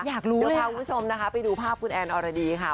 อยากรู้เดี๋ยวพาคุณผู้ชมนะคะไปดูภาพคุณแอนอรดีค่ะ